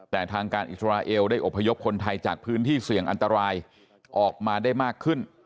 แต่ทางการอิสราเอลได้อบพยพคนไทยจากพื้นที่เสี่ยงอันตรายออกมาได้มากขึ้น